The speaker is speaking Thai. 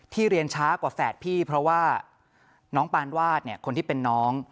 เรียนช้ากว่าแฝดพี่เพราะว่าน้องปานวาดเนี่ยคนที่เป็นน้อง